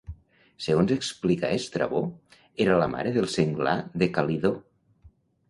Segons explica Estrabó, era la mare del senglar de Calidó.